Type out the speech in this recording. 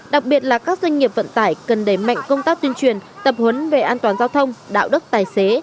đặc biệt là các doanh nghiệp vận tải cần đẩy mạnh công tác tuyên truyền tập huấn về an toàn giao thông đạo đức tài xế